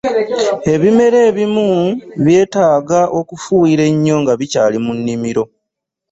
Ebimera ebimu byetaaga okufuyira enyo nga bikyali mu nimiro.